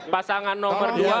pasangan nomor dua